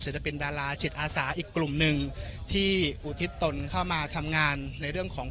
จะเป็นดาราจิตอาสาอีกกลุ่มหนึ่งที่อุทิศตนเข้ามาทำงานในเรื่องของ